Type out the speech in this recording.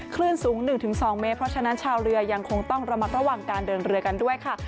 คลื่นสูง๑๒เมตรเพราะฉะนั้นชาวเรือยังคงต้องระมัดระวังการเดินเรือกันด้วยค่ะ